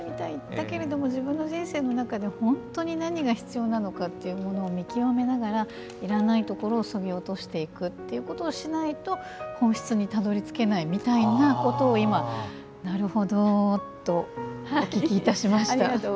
だけれども、自分の人生の中で本当に何が必要なのかを見極めながらいらないところをそぎ落としてくことをしないと本質にたどりつけないみたいなことを今、なるほどとお聞きいたしました。